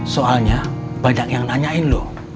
soalnya banyak yang nanyain loh